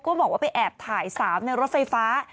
บอกว่าไปแอบถ่าย๓ในรถไฟฟ้า